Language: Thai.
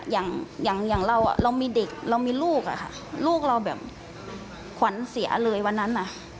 อย่างเรามีเด็กเรามีลูกลูกเราแบบขวัญเสียเลยวันนั้น